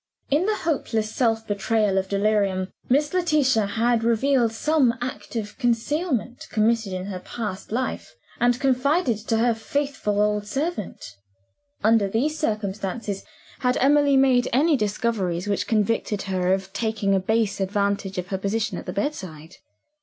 In the hopeless self betrayal of delirium, Miss Letitia had revealed some act of concealment, committed in her past life, and confided to her faithful old servant. Under these circumstances, had Emily made any discoveries which convicted her of taking a base advantage of her position at the bedside?